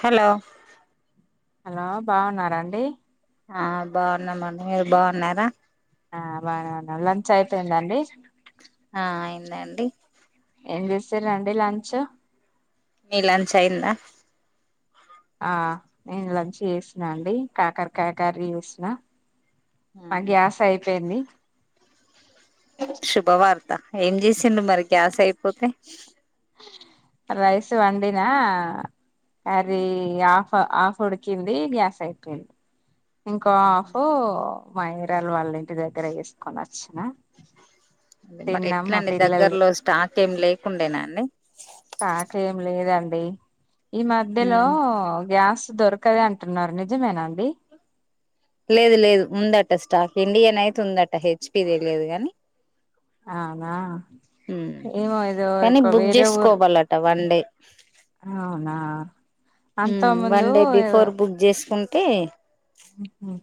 Hello hello బావున్నార అండి ఆ బావున్నమండి మీరు బావున్నరా చైపోందండి ఆ ఐందండి ఎం చేసిర్రండి లంచ్ మి లంచ్ అయిందా ఆ నేన్ లంచ్ చేశ్నా అండి కాకర్కాయ కర్రీ చేశ్న మా గ్యాస్ ఐపోయింది శుభవార్త ఏం చేసింరు మరి గ్యాస్ ఐపోతే రైస్ వండిన కరీ ఆఫ్ ప ఆఫ్ ఉడ్కింది గ్యాస్ ఐపోయింది ఇంకొ ఆఫు మా ఏరియాలో వాళ్ళ ఇంటి దగ్గర జేస్కొన్ ఒచ్చిన మరెట్ల అండి దగ్గర్లో స్టాక్ ఏం లేకుండెనా అండి స్టాక్ ఎం లేదం ఈ మధ్యలో గ్యాస్ దొరకది అంటున్నారు నిజమేనా అండి లేదు లేదు ఉందట స్టాక్ ఇండియన్ అయితే ఉందట హెచ్ పి ది తెలియదు గాని అవునా ఉమ్ ఏమో ఏదో కానీ ఇక బుక్ వేరే ఊరు చేసుకోవాలట వన్ డే అవునా అంత ఉమ్ ముందు వన్ డే బిఫోర్ బుక్ చేసుకుం టే మ్ హ్మ్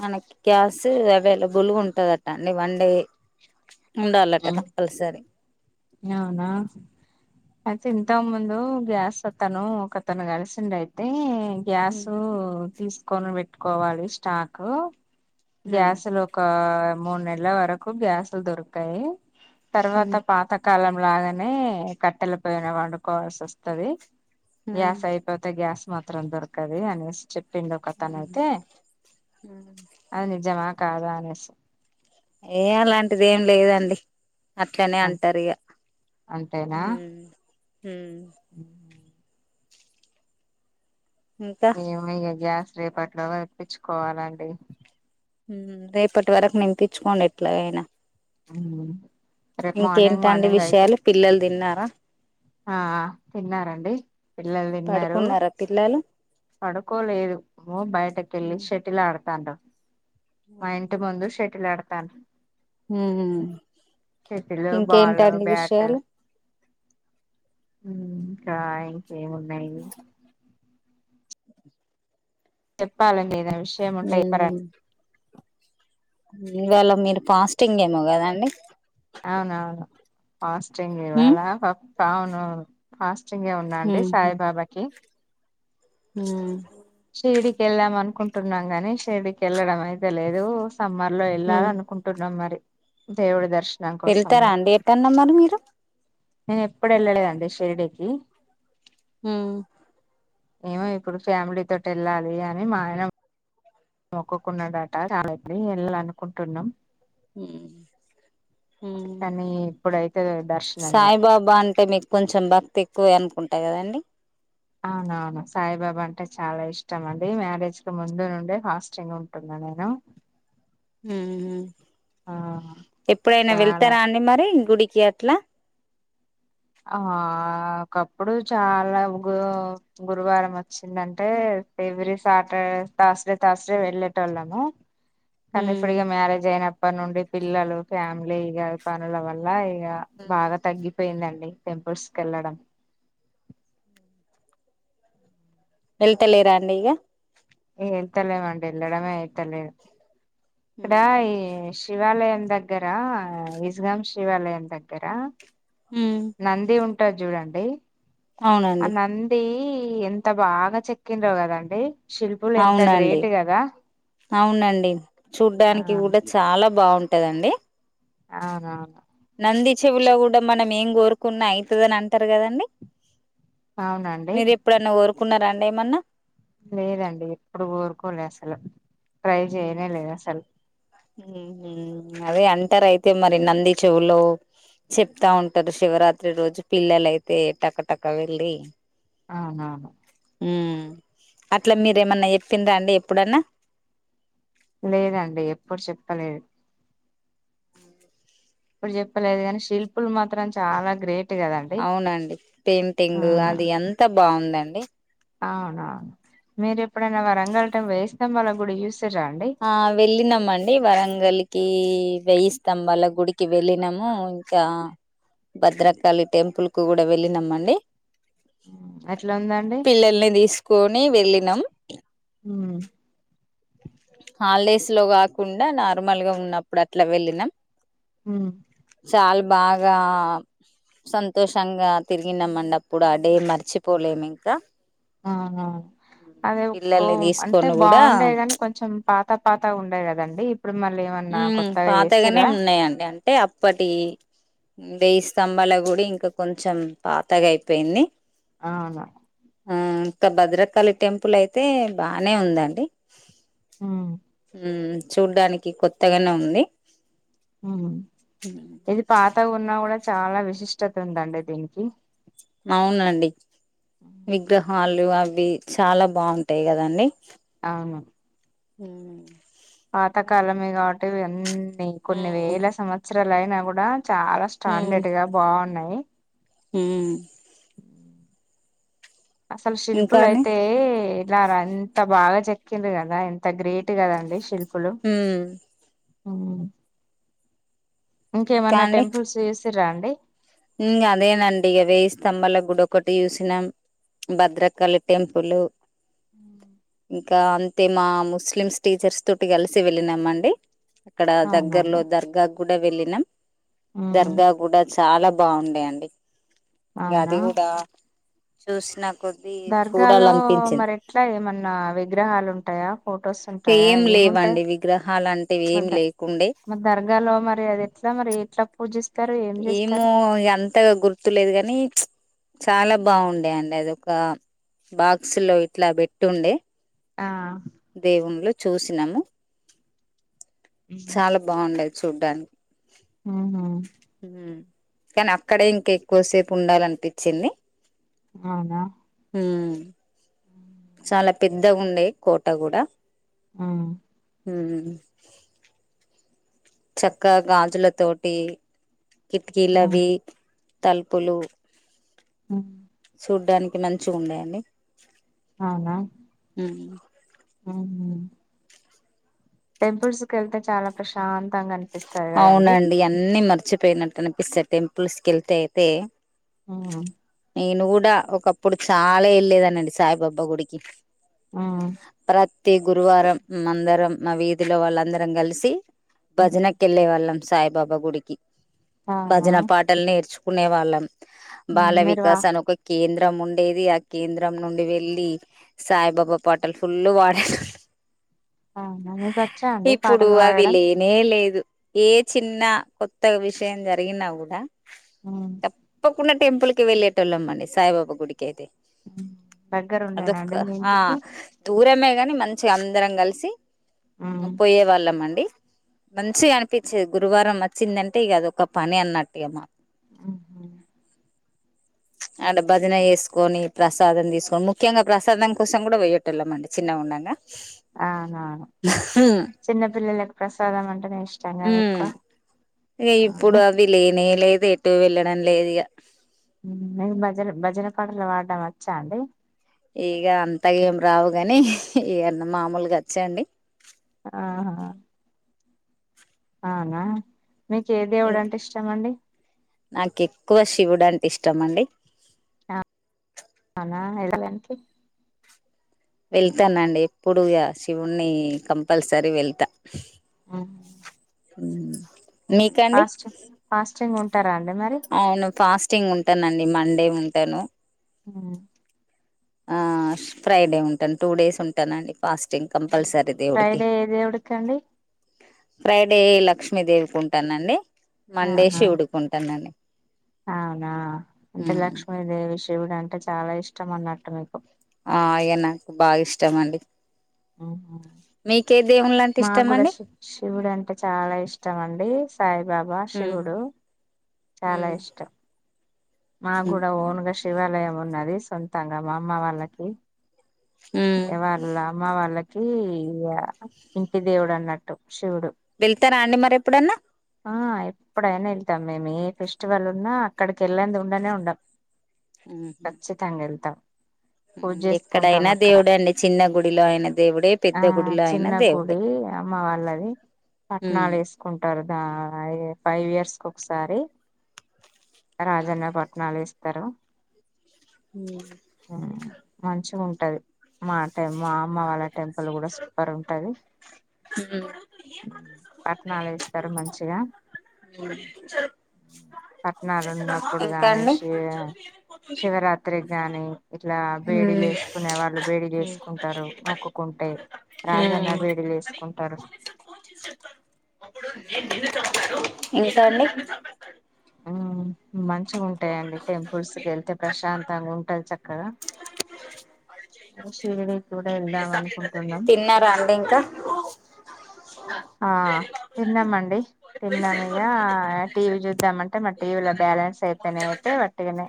మనకి గ్యాస్ అవైలబుల్ ఉంటదట అండి వన్ డే ఉండాలట కంపల్సరీ అవునా అయితే ఇంత ముందు గ్యాస్ అతను ఒకతను గలిసిండు అయితే గ్యాస్ ఉమ్ తీసుకొని పెట్టుకోవాలి స్టాక్ గ్యాసులు ఒక మూడు నెలల వరకు గ్యాసులు దొరకాయి తర్వాత ఉమ్ పాతకాలం లాగానే కట్టెల పోయిన వండుకోవాల్సి వస్తది గ్యాస్ అయిపోతే గ్యాస్ మాత్రం దొరకది అనేస్ చెప్పిండు ఒక ఆతను అయితే అది నిజమా కాదా అనేసి ఏ అలాంటిది ఏం లేదండి అట్లనే అంటారు ఇగ అంతేనా ఉమ్ ఉమ్ ఇంకా ఏమో ఇగ గ్యాస్ రేపట్లోగ తెప్పిచ్చుకోవాలండి మ్ రేపటి వరకు నింపించుకోండి ఎట్లాయినా మ్ ఇంకెంటండీ విషయాలు పిల్లలు తిన్నారా ఆ తిన్నారండి పిల్లలు తిన్నారు పడుకున్నారా పిల్లలు పడుకోలేదు బయటకెళ్ళి షటిల్ ఆడతాండ్రు మా ఇంటి ముందు షెటిల్ ఆడతాండ్రు షెటిల్ బాల్ ఇంకేంటండి బ్యాట్ విషయాలు ఉమ్ ఇంకా ఇంకేమున్నాయి చెప్పాలి అండి ఏదైనా విషయంముంటె చెప్పరాదు ఇవాళ మీరు ఫాస్టింగ్ ఏమో కదాండి అవునవును ఫాస్ట్ంగ్ ఇవాల అవును ఫాస్ ఫాస్టింగ్ ఏ ఉన్నాండి సాయిబాబాకి మ్ షిరిడి కి వెళ్ళాం అనుకుంటున్నాం గాని షిర్డికి వెళ్ళడం అయితే లేదు సమ్మర్ లో వెళ్ళాలనుకుంటున్నాం మరి దేవుడి ద వెళ్తారా అండి ఎటన్నా మరి మీరు నేనెప్పుడు వెళ్ళలేదండి షిరిడి కి మ్ ఏమో ఎప్పుడు ఫ్యామిలీ తోటి వెళ్ళాలి అని మా ఆయన మొక్కుకున్నాడట రాలని వెళ్ళ అనుకుంటున్నాం మ్ మ్ కానీ ఇప్పుడైతే దర్శనం ఇగ సాయిబాబా అంటే మీక్ కొంచెం భక్తి ఎక్కువే అనుకుంటా కదండి అవునవును సాయిబాబా అంటే చాలా ఇష్టం అండి మ్యారేజ్ కు ముందు నుండి ఫాస్టింగ్ ఉంటున్నా నేను మ్ ఆ ఎప్పుడైనా చాలా వెళ్తారా అండి మరి గుడి కి అట్లా ఆ ఒకప్పుడు చాలా గు గురువారం వచ్చిందంటే ఎవ్రి సా ట్ తాజ్ డే తజ్ డే వెళ్లే టోళ్ళము కానీ ఇప్పుడు ఇగ మ్యారేజ్ అయినప్పటి నుండి పిల్లలు ఫ్యామిలీ ఇగ పనుల వల్ల ఇగ బాగా తగ్గిపోయిందండి టెంపుల్స్ కెళ్ళడం వెళ్తలేరా అండి ఇగ ఇగ ఏళ్తాలేం అండి ఎల్లడమే అయితలే ఇక్కడ ఈ శివాలయం దగ్గరా విజగాం శివాలయం దగ్గరా ఉమ్ నంది ఉంటాద్ జుడండి ఆ అవునండి నంది ఎంత బాగా చెక్కిండ్రో గదండి శిల్పులు ఎంత అవునండి గ్రేట్ గదా అవునండి చూడ్డానికి గూడా చాలా బాగుంటదండి అవునవును నంది చెవుల గూడా మనం ఏం కోర్ కున్నా అయితదని అంటారు గదండి అవునండి మీరు ఎప్పుడన్న కోరుకున్న రండి ఏమన్నా లేదండి ఎప్పుడు కోరుకోలే అసలు ట్రై చేయనే లేద్ అసల్ మ్ హు అదే అంటారు అయితే మరి నంది చెవులో చెప్తా ఉంటారు శివరాత్రి రోజు పిల్లలైతే టకటక వెళ్ళి అహా మ్ అట్లా మీరేమన్నా చెప్పింరా అండి ఎప్పుడన్నా లేదండి ఎప్పుడు చేప్పలేద్ ఎప్పుడు చెప్పలేదు గనీ శిల్పులు మాత్రం చాలా గ్రేట్ కదండి అవునండి ఆ పెయింటింగ్ అది అంత బాగుందండి అవున మీరు ఎప్పుడైనా వరంగల్ టైం వేయి స్థంబాల గుడి జూస్ ఆ వెళ్ళినమండి వరంగల్కీ వేయి స్తాంబాల గుడికి వెళ్ళినము ఇంకా భద్రకాళి టెంపుల్ కు గూడా వెళ్ళినమండి హ్మ్. ఎట్లా ఉందండి పిల్లల్ని తిస్కొని వెళ్ళినాం హ్మ్. హాలిడేస్ లో గకుండా నార్మల్గా ఉన్నప్పుడు అట్లా వెళ్ళినాం హ్మ్. చాల్ బాగా సంతోషంగా తిరిగినమండి అప్పుడు అ డే మర్చిపోలేము ఇంకా ఆహా అదే ఒక్కో పిల్లల్ని అంటే తీసుకొని కూడా బాగుండే గాని కొంచం పాత పాతగుండే కదండి ఇప్పుడు మళ్ళీ ఏమన్నా మ్ కొత్తగా పాతగానే చేసిర్రా ఉన్నాయండి అంటే అప్పటియి వెేయి స్తంభాల గుడి ఇంకా కొంచం పాతగైపోయింది ఆహా ఆ ఇంకా భద్రకాళి టెంపుల్ అయితే బానే ఉందండి హ్మ్. మ్ చూడ్డానికి కొత్తగానే ఉంది మ్ ఇది పాతగున్నా కుడా చాలా విశిష్టత ఉందండి దీనికి లు అవి చాలా బాగుంటాయి కదండి అవును మ్ పాతకాలమే కాబట్టి ఇవన్ని ఇంకొన్ని మ్మ్ వేల సంవత్సరాలు అయినా గుడా చాలా స్టాండర్డ్ గా బాగున్నాయ్ మ్ అసల్ ఇంకా అండి శిల్పులైతే లరా ఎంత బాగా చెక్కింన్రు గదా ఎంత గ్రేట్ కదండి శిల్ హు మ్ మ్ ఇంకా ఇంకేమన్నా అండి టెంపుల్స్ చూసిరా అండి ఇంగ అదేనండి ఇగ వేయి స్తంభాల గుడ ఒకటి చూసినాం భద్రకళి టెంపుల్ ఇంకా అంతే మా ముస్లిమ్స్ టీచర్స్ తోటి కలిసి వెళ్ళినాం అండి అక్కడ దగ్గర్లో అవునండి దర్గా కూడా వెళ్ళినం ఉమ్ దర్గా కూడా చాలా బాగుండేయండి ఇంగ అవునా అది కూడా చూసినం దర్గాలో మరి ఎట్లా ఏమన్నా విగ్రహాలు ఉంటాయా ఫొటోస్ ఉంటాయా ఏం ఏముంటాయి లేవండి విగ్రహాలు అంటివి మార్ ఏం ద లేకుండే దర్గాలో మరి అది ఎట్ ఎట్లా మరి ఎట్లా పూజిస్తారు ఏం ఏమో చేస్తారు ఇగ అంతగా గుర్తులేదు కాని చాలా బాగుండే అండి అది ఒక బాక్స్ లో ఇట్లా పెట్టుండే ఆ దేవున్లు చూసినాము చాలా బాగుండే చూడ్డాన్ ఆ హా కానీ అక్కడే ఇంకా ఎక్కువసేపు ఉండాలనిపించింది అవునా ఉమ్ చాలా పెద్దగుండే కోట కూడా అ మ్ చేక్క గాజుల తోటి కిటికీలవి తలుపులు చూడ్డానిక్ మంచిగుండే అండి అవునా మ్ హు టెంపుల్స్ కెళ్తే చాలా ప్రశాంత్ అవునండి అన్ని మర్చిపోయినట్టు అనిపిస్తాయి టెంపుల్స్ కెళ్తే అయితే ఆ నేను కూడా ఒకప్పుడు చాలా వెళ్ళలేదనండి సాయిబాబా గుడికి ఉమ్ ప్రతి గురువారం మందరం మా వీధిలో వాళ్ళందరం కలిసి ఉమ్ భజనకెళ్ళే వాళ్ళం సాయిబాబా గుడికి అవునా భజన పాటలు నేర్చుకునే వాళ్ళం మీరు వా బాలవికాస అన్ ఒక కేంద్ ద్రం ఉండేది ఆ కేంద్రం నుండి వెళ్ళలి సాయిబాబా పాటలు ఫుల్ పాడేటోళ్లు అవున మిక్ అచ్చా అండి పాటలు పాడడం ఏ లేదు ఏ చిన్న కొత్త విషయం జరిగినా కూడా ఉమ్ తప్పకుండా టెంపుల్ కి వెళ్ళేటోల్లమండి సాయిబాబా గుడికైతే ఉమ్ దగ్గర అదొక్క ఉండేనండి మీ ఆ ఇంటికి దూరమే కానీ మంచిగా అందరం కలిసి ఉమ్ పోయే వాళ్ళం అండి మంచి అనిపించేది గురువారం అచ్చిందంటే ఇగా అదొక పని అన్నట్టిగామక్ ఉహు ఆడ భజన చేసుకొని ప్రసాదం తీసుకొని ముఖ్యంగా ప్రసాదం కోసం కూడా పోయేటోల్లమండి చిన్నగుండంగా అగ చిన్నపిల్లక్ ప్రసాదం అంటనే మ్ ఇగ ఇప్పుడు మీ అవి లేనే లేదు ఎటు వెళ్ళడం లేదు ఇగా మిక్ భజన భజన పాటలు పాడడం వచ్చా అండి ఇగ అంతగెం రావు గాని ఇగ మామూలుగా వచ్చండీ ఆహా అవునా మిక్ ఏ దేవుడు ఇంకా అంటే ఇష్టమండి నాకు ఎక్కువ శివుడు అంటే ఇష్టం అండి అవునా [inaudible] వెళ్తానండి ఎప్పుడిగా శివుణ్ణి కంపల్సరీ వెళ్తా ఆ మ్ ఫస్ట్ంగ్ ఫాస్టింగ్ ఉంటారా అండి. మరి అవును ఫాస్టింగ్ ఉంటానండి మండే ఉంటాను. హ్మ్ ఆ ఫ్రైడే ఉంటాను టూ డేస్ ఉంటానండి ఫాస్టింగ్ కంపుల్సరీ దేవుడికి. ఫ్రైడే ఏ దేవుడికండి ఫ్రైడే లక్ష్మీదేవికి ఉంటానండి మండే ఆహా శివుడికి ఉంటానండి. అవునా అంటే ఉమ్ లక్ష్మీదేవి శివుడు అంటే చాలా ఇష్టం అన్నట్టు మీకు. ఆహ్ ఇగ నాకు బాగా ఇష్టం అండి. ఉమ్. దేవునులంటే. మాకు కూడా శి శివుడు అంటే చాలా ఇష్టం అండి. సాయిబాబా ఉమ్ శివుడు. చాలా ఇష్టం. మాకు ఉమ్ కూడా ఓన్గా శివాలయం ఉన్నది సొంతంగా మా అమ్మ వాళ్ళకి. ఉమ్ ఇగ వాళ్ళ అమ్మ వాళ్ళకి ఇంటి దేవుడు అన్నట్టు శివుడు. వెళ్తారా అండి మరి ఎప్పుడన్నా. ఆహ్ ఎప్పుడైనా వెళ్తాం మేము ఏ ఫెస్టివల్ ఉన్న అక్కడికి వెళ్ళంది ఉండనే ఉండం. ఉహు కచ్చితంగా ఎల్తామ్. పూజ చేసుకుంటాం ఎక్కడైనా అక్కడ దేవుడే అండి చిన్న గుడిలో అయిన దేవుడే పెద్ద ఆహ్ గుడిలో అయిన చిన్న దేవుడే గుడి. అమ్మ వాళ్ళది ఉమ్ పట్నాలు వేసుకుంటారు. దా ఇగ ఫైవ్ ఇయర్స్ కి ఒకసారి. రాజన్న పట్నాలు వేస్తారు. హ్మ్. మంచిగుంటది మా అంటే మ. అమ్మ వాళ్ళ టెంపుల్ కూడా సూపర్ ఉంటది. పట్నాలు వెస్తారు మంచిగా. పట్టనాలు ఉన్నప్పుడు ఇంకా గని అండి ష్. శివరాత్రి కి గాని. ఇట్లా బేడిలు వేసుకునే వాళ్ళు బేడిలు వెసుకుంటారు మొక్కుకుంటే. రాజన్న బేడిలు వేసుకుంటారు. ఇంకా అండి. హ్మ్ మంచిగా ఉంటాయండి టెంపుల్స్ కి వెళ్తే ప్రశాంతంగా ఉంటది చక్కగా. శివుడికి కూడా ఏళదాం అని. తిన్నారా అండి ఇంకా. ఆహ్ తిన్నామండి తినం ఇగ టీవి చూదాం అంటే మా టీవీ లో బ్యా. బ్యాలెన్స్ అయిపోయినాయి అయితే ఒట్టిగనే.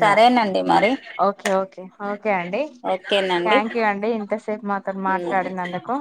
సరేనండి మరి. Okay okay okay. ఓకే అండి ఓకేనండి థ్యాంక్ యూ అండి ఇంతసేపు మాతో మాట్లాడినందుకు.